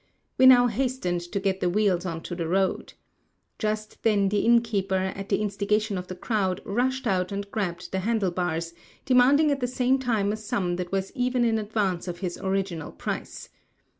We now hastened to get the wheels into the road. Just then the innkeeper, at the instigation of the crowd, rushed out and grabbed the handle bars, demanding at the same time a sum that was even in advance of his original price.